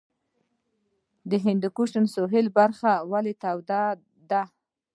د هندوکش سویلي برخه ولې توده ده؟